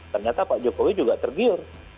ternyata pak jokowi juga tergiur